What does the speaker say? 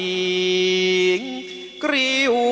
มาเยือนทินกระวีและสวัสดี